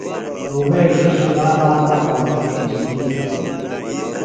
لُومئیۡ ݜِݜ چُلا آک تاپڑہ جےۡ ݜچیۡ گی ہنیۡ